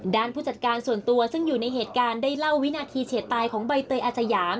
ผู้จัดการส่วนตัวซึ่งอยู่ในเหตุการณ์ได้เล่าวินาทีเฉียดตายของใบเตยอาสยาม